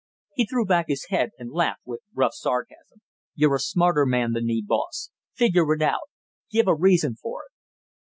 He threw back his head and laughed with rough sarcasm. "You're a smarter man than me, boss; figure it out; give a reason for it!"